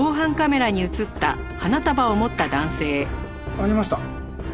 ありました。